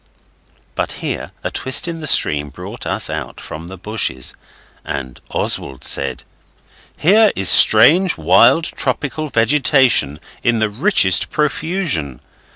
But here a twist in the stream brought us out from the bushes, and Oswald said 'Here is strange, wild, tropical vegetation in the richest profusion.